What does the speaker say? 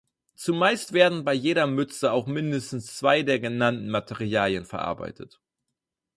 Zumeist werden bei jeder Mütze auch mindestens zwei der genannten Materialien verarbeitet.